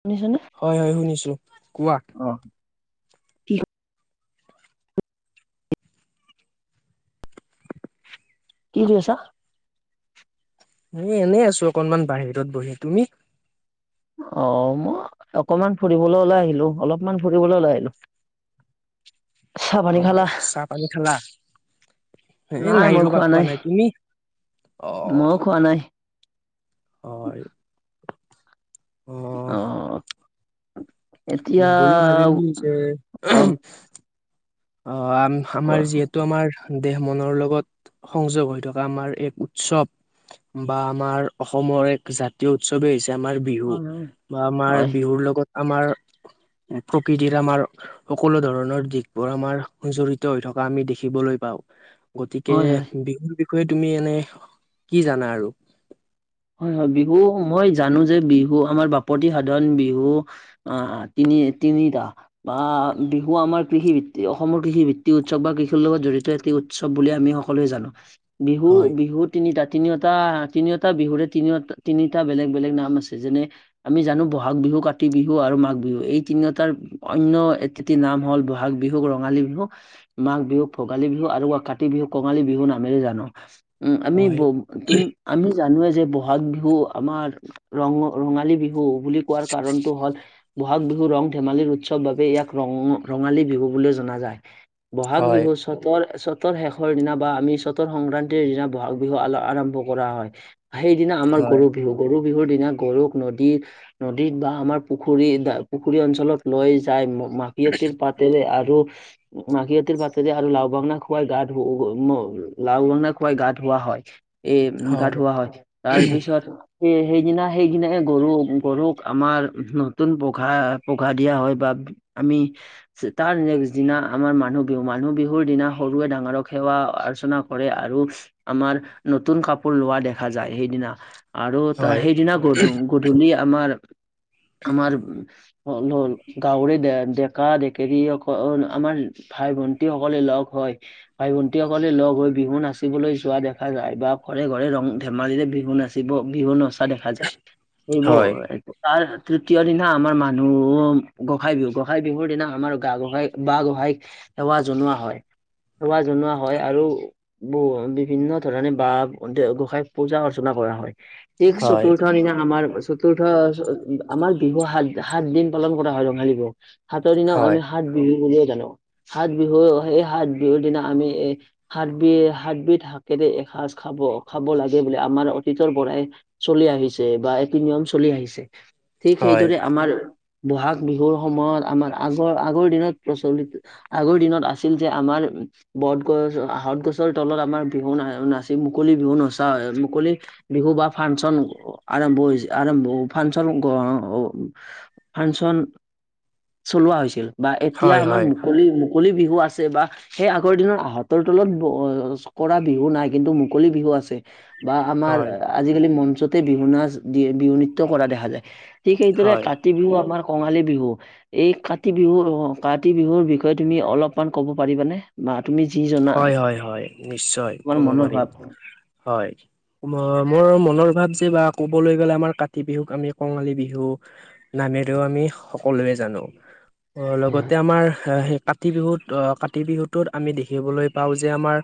শুনিছনে? হয় হয় শুনিছো কোৱা অ'। কি কি কৰি আছা? এ এনেই আছো অকনমান বাহিৰত বহি। তুমি? অ' মই অকমান ফুৰিবলৈ ওলাই আহিলো, অলপমান ফুৰিবলৈ ওলাই আহিলো। চাহ পানী খালা? অ' চাহ পানী খালা? এ নাই ৰ'বা খোৱা নাই। তুমি? অ' মইও খোৱা নাই। হয়। অ আহ এতিয়া বোলো ভাবিলো যে আহ। আ আমাৰ যিহেতু আমাৰ দেহ মনৰ লগত সংযোগ হৈ থকা আমাৰ এক উৎসৱ। বা আমাৰ অসমৰ এক জাতীয় উৎসৱেই হৈছে এ আমাৰ বিহু, হয় বা আমাৰ হয় বিহুৰ লগত আমাৰ প্ৰকৃতিৰ আমাৰ সকলো ধৰণৰ দিশ বোৰ আমাৰ জৰি়ত হৈ থকা আমি দেখিবলৈ পাওঁ, গতিকে হয় হয়। বিহুৰ ষয়ে তুমি এনে কি জানা আৰু? হয়, হয় বিহু মই জানো যে বিহু আমাৰ বাপতি সাধন বিহু আহ তিন তিনিটা বা বিহু আমাৰ কৃষিভিত্তি অসমৰ কৃষি ভিত্তি উৎসৱ বা কৃষিৰ লগত জড়িত [unintelligible] উৎসৱ বুলি আমি সকলোৱে জানো, হয় বিহু-বিহু তিনিটা তিনিওটা-তিনিওটা বিহুৰে তিনি-তিনিটা বেলেগ বেলেগ নাম আছে যেনে আমি জানো বহাগ বিহু, কাতি বিহু, আৰু মাঘ বিহু, এই তিনিওটাৰ অন্য একেটি নাম হ'ল বহাগ বিহুক ৰঙালী বিহু, মাঘ বিহুক ভোগালী বিহু আৰু কাতি বিহু কঙালী বিহু নামেৰে জানো, উম, আমি হয় ব [unintelligible] আমি জানোৱে যে ব বহাগ বিহু আমাৰ ৰঙ ৰঙালী বিহু বুলি কোৱাৰ কাৰণতটো হ'ল বহাগ বিহুৰ ধেমালিৰ উৎসৱ বাবে ইয়াক ৰঙ ৰঙালী বিহু বুলি জনা যায়। ব'হাগ হয় বিহু চ'তৰ চ'ত চ'তৰ শেষৰ দিনা বা আমি চ'তৰ সংক্ৰান্তিৰ দিনা ব'হাগ বিহু আৰম্ভ কৰা হয়। সেইদিনা আমাৰ হয় গৰু বিহু, গৰু বিহুৰ দিনা গৰুক নদী, নদীত বা আমাৰ পুখুৰী [unintelligible] পুখুৰী অঞ্চলত লৈ যায় মাখিয়তীৰ পাতেৰে আৰ আৰু মাখিয়তিৰ পাতেৰে আৰু লাও বাংনা খুৱাই গা ধু [unintelligible] লাও বাংনা খুৱাই গা ধু ধুওৱা হয়, এ, গা ধুওৱা হয়, তাৰ পিছত সেই, সেইদিনা, সেইদিনাই গৰু গৰুক আমাৰ নতুন পঘা-পঘা দিয়া হয় বা আমি, তাৰ নেক্স দিনা আমাৰ মানুহ বিহু, মানুহ বিহুৰ দিনা সৰুৱে ডাঙৰক সেৱা অ আৰ্চনা কৰে আৰু আমাৰ নতুন কাপোৰ লোৱা দেখা যায় সেইদিনা। আৰু তাৰ হয় সেইদিনা গধূলি গধূলি আমাৰ আমাৰ হ'ল হ'ল গাঁৱৰে ডেকা ডেকেৰী অকল আমাৰ ভাই ভন্টি সকলে লগ হ'ল হয় ভাই ভণ্টিসকলে লগ হৈ বিহু নাচিবলৈ যোৱা দেখা যায় বা ঘৰে ঘৰে ৰং ধেমালিৰে বিহু নাচিব বিহু নচা দেখা যায় সেইবোৰ হয় তাৰ তৃতীয় দিনা আমাৰ মানুহ গোঁসাঁই বিহু, গোঁসাই বিহুৰ দিনা আমাৰ গাঁ গোসাঁইক বাঁ গোসাঁইক সেৱা জনোৱা হয়। সেৱা জনোৱা হয়, আৰু বহু বিভিন্ন ধৰণে বাঁহ গোসাই পূজা অৰ্চনা কৰা হয়, শেষ হয় চতুৰ্থ দিনা আমাৰ। চতুৰ্থ আমাৰ বিহু সাত সাত দিন পালন কৰা হয় ৰঙালী বিহু। সাতৰ দিনা হয় আমি সাত বিহু বুলি জানো। সাত বিহু সেই সাত বিহুৰ দিনা আমি এ সাত বি সাতবিধ শাকেৰে খাজ খাব খাব লাগে। সেই বুলি আমাৰ অতীতৰ পৰাই চলি আহিছে বা এইতো নিয়ম চলি আহিছে। ঠিক হয় সেইদৰে আমাৰ বহাগ বিহুৰ সময়ত আমাৰ আগৰ আগৰ দিনত প্ৰচলিত আগৰ দিনত আছিল যে আমাৰ বত গছ আহত গছৰ তলত আমাৰ বিহু না নাচি মুকলি বিহু নাচ মুকলি বিহু বা ফাংচন আৰম্ভ হৈছে আৰম্ভ ফাংচন [unintelligible] ফাংচন চলোৱা হৈছিল বা এতিয়া হয় আমাৰ মুকলি মুকলি বিহু আছে বা সেই আগৰ দিনৰ আহঁতৰ তলত [unintelligible] বিহু নাই কিন্তু মুকলি বিহু আছে। বা হয় আমাৰ হয় আজিকালি মঞ্চতে বিহু নাচ দি বিহু নৃত্য কৰা দেখা যায় ঠিক সেইদৰে হয় কাতি বিহু আমাৰ কঙালী বিহু এই কাতি বিহু কাতি বিহুৰ বিষয়ে তুমি অলপমান ক'ব পাৰিবানে [unintelligible] জনা হয়, হয়, হয়, নিশ্চয় তোমাৰ ক'ব মনৰ পাৰিম ভাৱ হয় হয়। মোৰ মনৰ ভাৱ যে বা ক'বলৈ গ'লে আমাৰ কাতি বিহুক আমি কঙালী বিহু বা বাহিৰেও আমি সকলোৱে জানো। অ', লগতে আমাৰ সেই কাতি বিহুত অহ, কাতি বিহুতোত আমি দেখি দেখিবলৈ পাওঁ যে আমাৰ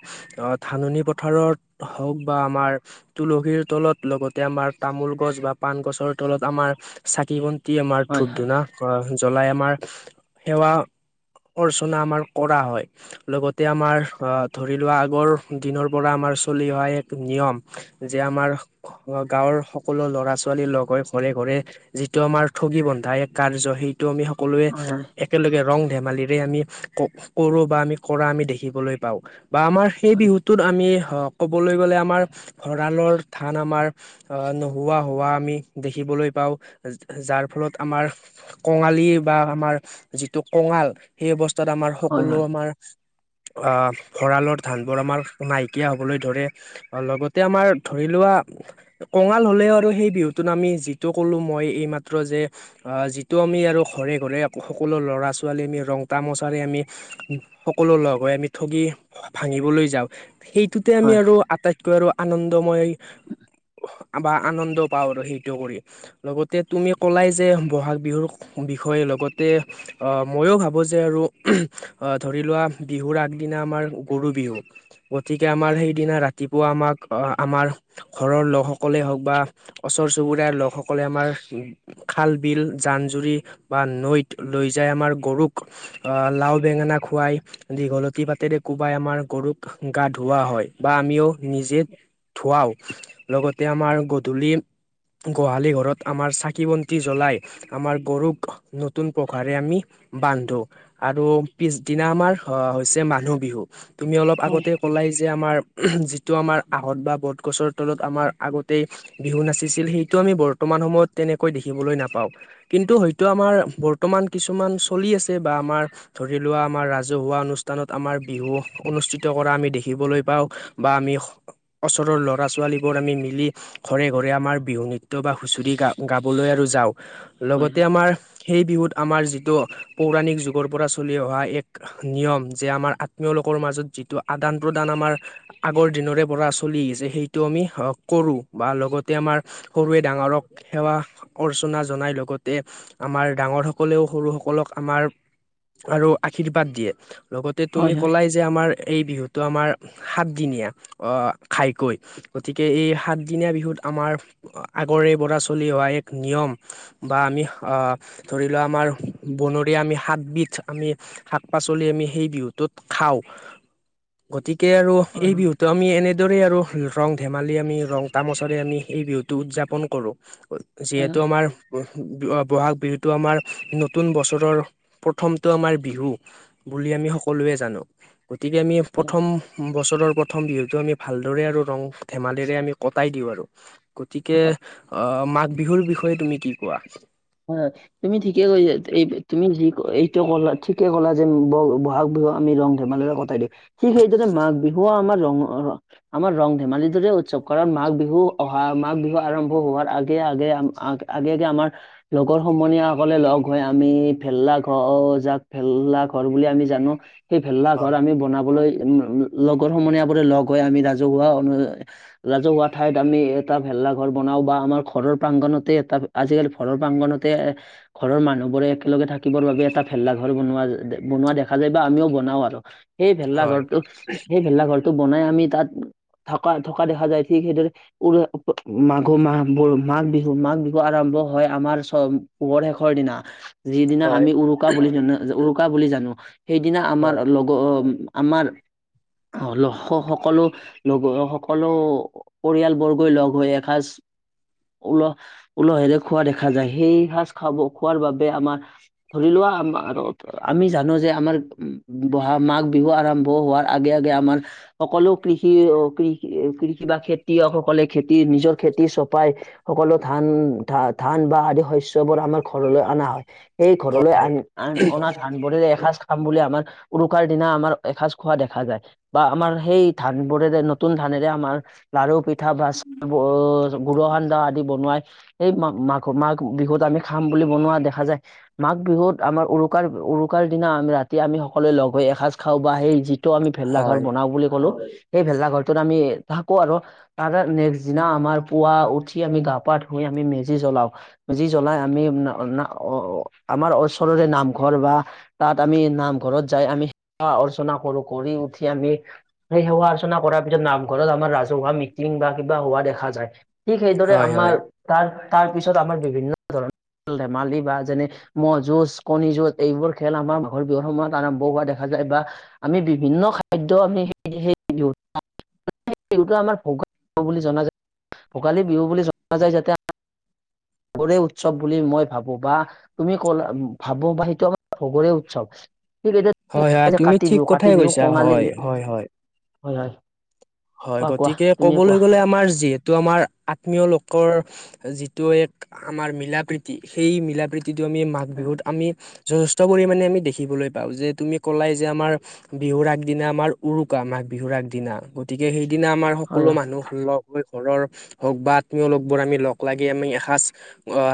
ধাননি পথাৰত হওঁক বা আমাৰ তুলসীৰ তলত লগতে আমাৰ তামোল গছ বা পাণ গছৰ তলত আমাৰ ছাকি দি আমাৰ হয় ধোপ হয় ধোনা কৰা জ্বলাই আমাৰ, সেৱা অৰ্চনা, আমাৰ কৰা হয় লগতে তে আমাৰ ধৰি লোৱা আগৰ দিনৰ পৰা আমাৰ চলি অহা এক নিয়ম যে আমাৰ গাঁৱৰ সকলো ল'ৰা ছোৱালি লগ হৈ ঘৰে ঘৰে যিটো আমাৰ ঠগী বন্ধা এক কাৰ্য সেই আমি সকলোৱে, হয় একেলগে ৰং ধেমালিৰে আমি, কৰো বা আমি কৰা আমি দেখিবলৈ পাও, বা আমাৰ সেই বিহুটোত আমি অ' ক'বলৈ গ'লে আমাৰ ভঁৰালৰ ধান আমাৰ, নোহোৱা হোৱা আমি দেখিব বলৈ পাও, যাৰ ফলত আমাৰ, কঙালী বা আমাৰ যিটো কঙাল সেই তাত আমাৰ হয় হয় সকলো আমাৰ ভঁৰালৰ ধানবোৰ আমাৰ নাইকিয়া হ'বলৈ ধৰে লগতে আমাৰ ধৰি লোৱা কঙাল হলেও আৰু সেই বিহুটোত আমি যিটো ক'লো মই এইমাত্ৰ যে যিটো আমি আৰু ঘৰে ঘৰে সকলো ল'ৰা ছোৱালী আমি ৰং তামচাৰে আমি সকলো লগ গৈ আমি ঠগি ভাঙিবলৈ যাওঁ, সেইটোতে আমি হয় আৰু আটাই কৈ আৰু আনন্দময়‌ বা আনন্দ পাওঁ আৰু সেইটো কৰি লগতে তুমি কলাই যে বহাগ বিহুৰ বিষয়ে লগতে ময়ো ভাবোঁ যে আৰু ধৰি লোৱা‌ বিহুৰ আগদিনা আমাৰ গৰু বিহু, গতিকে আমাৰ সেইদিনা ৰাতিপুৱা আমাক আমাৰ ঘৰৰ লোকসকলে হওক বা, ওচৰ চুবুৰীয়াৰ লোকসকলে আমাৰ খাল বিল জান জুৰি, বা নৈত লৈ যায় আমাৰ গৰুক লাও বেঙ ঙেনা খুৱাই দীঘলতি পাতেৰে কোবাই আমাৰ গৰুক গা ধুওৱা হয় বা আমিও নিজে ধুৱাওঁ, লগতে আমাৰ গধূলি গোহালি ঘৰত আমাৰ চাকি বন্তি জ্বলাই, আমাৰ গৰুক নতুন পঘাৰে আমি বান্ধো আৰু, পিছদিনা আমাৰ অ' হৈছে মানুহ বিহু তুমি অলপ হয় আগতে কলাই যে আমাৰ যটো আমাৰ আহত বা বট গছৰ তলত আমাৰ আগতেই বিহু নাচিছিল সেইটো আমি বৰ্তমান সময়ত ন কিন্তু হয় আমাৰ বৰ্তমান কিছুমান চলি আছে বা আমাৰ ধ লোৱা আমাৰ ৰাজ ৰাজহুৱা অনুষ্ঠানত আমাৰ বিহু অনুষ্ঠিত কৰা আমি দেখিবলৈ পাওঁ বা আমি ঘৰৰ ল'ৰা ছোৱালীবোৰ আমি মিলি ঘৰে ঘৰে আমাৰ বিহু নৃত্য বা হুঁচৰি গা গাবলৈ আৰু যাওঁ। হয় লগতে আমাৰ সেই বিহুত আমাৰ যিটো পৌৰাণিক যুগৰ পৰা চলি অহা এক নিয়ম যে আমাৰ আত্মীয় লোকৰ মাজত যিটো আদান প্ৰদান আমাৰ আগৰ দিনৰে পৰা চল সেইটো আমি কৰো বা লগতে আমাৰ সৰুৱে ডাঙৰক সেৱা অৰ্চ জনাই লগতে আমাৰ ডাঙৰ সকলেও সৰু সকলক আমাৰ আৰু আশীৰ্বাদ দিয়ে লগতে হয় তুমি হয় হয় হয় হয় হয় ক'লাই যে আমাৰ এই বিহুত তো আমাৰ সাতদিনীয়া খাইকৈ, গতিকে এই সাতদিনীয়া বিহুত আমাৰ আগৰে পৰা চলি অহা এক নিয়ম বা আমি আহ ধৰি লোৱা আমাৰ বনৰীয়া আমি সাতবিধ আমি শাক পাচলি আমি সেই বিহুটোত খাওঁ, গতিকে আৰু এই বিহুটো আমি এনে এইদৰে আৰু ৰং ধেমালি আমি ৰং তামচৰে আমি এই বিহুতটো উদযাপন কৰো। হয় হয় যিহেতু আমাৰ বহাগ বিহুটো আমাৰ নতুন বছৰৰ প্ৰথমটো আমাৰ বিহু। বুলি আমি সকলোৱে জানো গতিকে আমি প্ৰথম বছৰৰ প্ৰথম বিহুতটো আমি ভাল লৰে আৰু ৰমো ধেমালিৰে আমি কটাই দিও আৰু, গতিকেই হয় মাঘ বিহুত বিষয়ে তুমি কি কোৱা? হয়, তুমি ঠিকে কৈছা এই তুমি যি এইটো কলা ঠিকে কলা যে বহাগ বিহু হ আমি ৰং ধেমালিৰে কাই দিওঁ, ঠিক সেইদৰে মাঘ বিহুৱ আমাৰ ৰ, আমাৰ ৰং ধেমালি দৰে উৎসৱ কৰা মাঘ বিহু অহা মাঘ বিহু আৰম্ভ হোৱাৰ আগে আগে, আগে, আগে আমাৰ লগৰ সমনীয়াসকলে লগ হৈ আমি ভেলা ঘৰ যাক ভেলা ঘৰ বুলি আমি জানো। সেই ভেলা ঘৰ হয় আমি বনাবলৈ উম লগৰ সমনীয় বোৰে লগ হৈ আমি ৰাজহুৱা অনু ৰাজহুৱা ঠাইত আমি এটা ভেলা লা ঘৰ বনাও বা আমাৰ ঘৰৰ প্ৰাংগনতে এটা আজিকালি ঘৰ প্ৰাংগনতে এ ঘৰ মানুহ বোৰে একেলগে থাকিবৰ বাবে এটা ভেলা ঘৰ বনোৱা বনোৱা দেখা যায় বা আমিও বনাওঁ আৰু সেই ভেলা হয় ঘৰটো সেই ভেলা ঘৰটো বনাই আমি তাত থকা থকা দেখা যায় ঠিক সেইদৰে উ মাঘ মাহ মাঘ বিহু মাঘ বিহু আৰম্ভ হয় আমাৰ চ পোহৰ শেষৰ দিনা যিদিনা হয় আমি উৰুকা বুলি জানো উৰুকা বুলি জানো সেইদিনা হয় আমাৰ লগৰ আমাৰ সকলো লগ সকলো পৰিয়ালবৰ্গই লগ হৈ এসাঁজ ওল ওলহেৰে খোৱা দেখা যায় সেই সাজ খাব খোৱাৰ বাবে আমাৰ ধৰি লোৱা আম আমি জানো যে আমাৰ বহা মাঘ বিহু আৰম্ভ হোৱাৰ আগে আগে আমাৰ সকলো কৃষি কৃষি বা খেতিয়ক সকলে খেতি নিজৰ খেতি চপাই সকলো ধান ধান ধান বা আদি শস্যবোৰ আমাৰ ঘৰলৈ অনা হয় সেই ঘৰলৈ আনি আনা ধানবোৰে এসাঁজ বা বুলি আমাৰ উৰুকাৰ দিনা আমাৰ এসাঁজ খোৱা দেখা যায় বা আমাৰ সেই ধান বোৰেৰে নতুন ধান মৰে আমাৰ লাৰু পিঠা ভচ গুৰ সান্দহ আদি বনোৱাই স মাঘ মাঘ বিহুত আমি খাম বুলি বনোৱা দেখা যায় মাঘ বিহুত আমাৰ উৰুকাত উৰুকাৰ দিনা আমি ৰাতি আমি সকলোৱে লগ হৈ এসাঁজ খাওঁ বা সেই যিটো আমি ভেলা ঘৰ হয় বনাও বুলি ক'লো সেই ভেলাঘৰটোত আমি থাকো আৰু তাৰ নেক্সট দিনা আমাৰ পুৱা উঠি আমি গা পা ধুই আমি মেজ জলাও মেজি জলাই আমি আমাৰ ওচৰৰে নামঘৰ বা তাত আমি নামঘৰত যাই আমি সেৱা অৰ্চনা কৰো কৰি উঠি আমি সেই সেৱা অৰ্চনা কৰা নামঘৰত, আমাৰ ৰাজহুৱা মিটিং বা কিবা হোৱা দেখা যায়। ঠিক সেইদৰে, হয় আমাৰ তাৰ তাৰ পিছত আমাৰ, বিভিন্ন ধৰণৰ ধেমালি বা যেনে মহ' যুঁজ, কণী যুঁজ, এইবোৰ খেল আমাৰ মাঘৰ বিহুৰ সময়ত, আৰম্ভ হোৱা দেখা যায়। বা, আমি বিভিন্ন খাদ্য, আমি [unintelligible] সেই বিহু [inaudible] বিহুটো আমাৰ, ভোগালী বিহু বুলি জনা যায়। ভোগালী বিহু বুলি জনা যায়, যাতে [inaudible] আগৰে উৎসৱ বুলি মই ভাবো, বা তুমি কলা ভাবো বা, সেইটো আমাৰ সবৰে উৎসৱ। হয় হয় ঠিক [unintelligible] তুমি কাতি ঠিক বিহু, কথাই কাতি বিহু কৈছা কঙালী হয় হয় হয় হয়-হয়। হয়, গতিকে ক'বলৈ গ'লে আমাৰ জে টো আমাৰ আত্মীয় লোকৰ, যিটো এক, আমাৰ মিলা প্ৰীতি। সেই মিলা প্ৰীতি প্ৰতিটো আমি, মাঘ বিহুত আমি যথেষ্ট পৰিমাণে আমি দেখিবলৈ পাওঁ। যে' তুমি ক'লাই যে আমাৰ, বিহুৰ আগদিনা আমাৰ উৰুকা। মাঘ বিহুৰ আগদিনা, গতিকে সেইদিনা আমাৰ হয় সকলো মানুহ, লগ হৈ ঘৰৰ, হওক বা আত্মীয় লগবোৰ আমি লগ লাগি আমি এসাঁজ,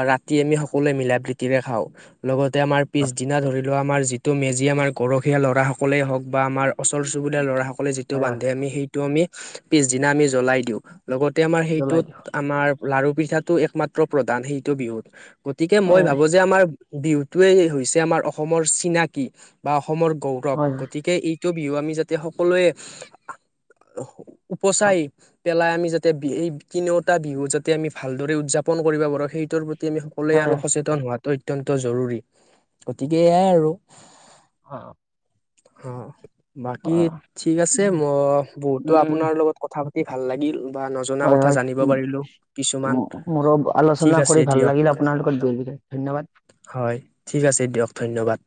ৰাতি আমি সকলোৱে, মিলা প্ৰীতি ৰে খাওঁ। লগতে, আমাৰ হয়। পিছদিনা ধৰি লোৱা আমাৰ যিটো মেজি, আমাৰ গৰখীয়া ল'ৰাসকলেই হওক বা আমাৰ, ওচৰ চুবুৰীয়া ল'ৰাসকলে যিটো হয় হয় বান্ধে। আমি সেই আমি, পিছদিনা আমি জলাই দিওঁ। লগতে আমাৰ জ্বলাই সেইটোত, দিওঁ আমাৰ লাৰু পিঠাটো একমাত্ৰ প্ৰধান, সেইটো বিহুত। গতিকে মই হয় হয় ভাবো যে, আমাৰ বিহুটোৱে, হৈছে আমাৰ অসমৰ চিনাকি, বা অসমৰ গৌৰৱ। হয় গতিকে ই টো বিহু আমি যাতে সকলোৱে, উপচাই পেলাই আমি যাতে এই, তিনিওটা বিহু যাতে, আমি ভালদৰে উদযাপন কৰিব পাৰো, সেইটোৰ প্ৰতি আমি সকলোৱে হয় আৰু হয় সচেতন হোৱাতটো অত্যন্ত জৰুৰী। গতিকে, এয়াই আৰু। অ। অ', বাকী ঠিক আছে। মই, বহুতো আপোনাৰ লগত কথা পাতি ভাল লাগিল। বা নজনা কথা হয়-হয়, জানিব পাৰিলো কিছুমান উ, মোৰো ঠিক আলোচনা আছে কৰি ভাল দিয়ক লাগিল, আপোনালোকৰ [unintelligible] ধন্যবাদ। হয়, ঠিক আছে দিয়ক ধন্যবাদ।